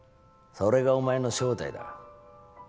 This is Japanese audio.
それがお前の正体だ